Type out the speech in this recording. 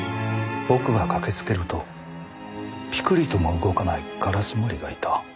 僕が駆けつけるとピクリとも動かない烏森がいた。